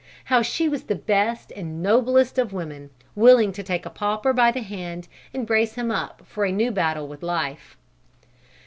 How she was the best and noblest of women, willing to take a pauper by the hand and brace him up for a new battle with life.